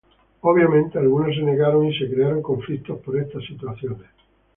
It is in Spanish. Obviamente algunos se negaron y se crearon conflictos por estas situaciones.